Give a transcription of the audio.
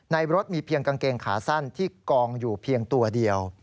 ในรถมีเพียงกางเกงขาสั้นที่กองอยู่เพียงตัวเดียว